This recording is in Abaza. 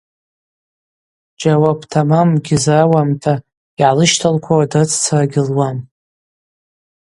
Джьауап тамам гьызрауамта йгӏалыщталквауа дрыццара гьылуам.